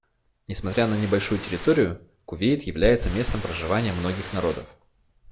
Несмотря на небольшую территорию, Кувейт является местом проживания многих народов.